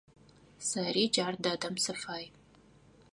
Сэри джар дэдэм сыфай.